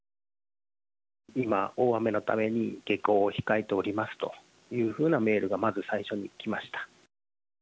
今、大雨のために下校を控えておりますというメールが最初に来ました。